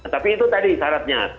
tapi itu tadi syaratnya